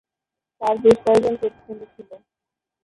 তার বেশ কয়েকজন প্রতিদ্বন্দ্বী ছিলেন।